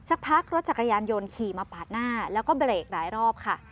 สักพักรถจักรยานยนต์ขี่มาปาดหน้าแล้วก็เบรกหลายรอบค่ะ